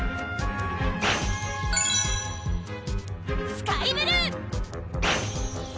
スカイブルー！